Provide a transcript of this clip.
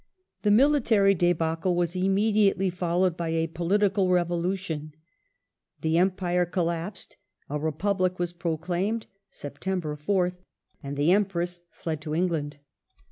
1874] PEACE OF FRANKFORT 425 The military debacle was immediately followed by a political revolution. The Empire collapsed ; a Republic was proclaimed (Sept. 4th), and the Empress fled to England.